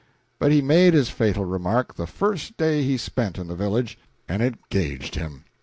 But he made his fatal remark the first day he spent in the village, and it "gaged" him.